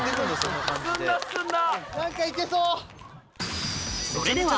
進んだ進んだ。